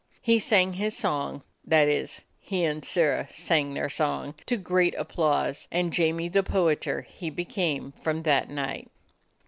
He sang his song — that is, he and Sirrah sang their song, — to great applause, and "Jamie the Poeter" he became from that night.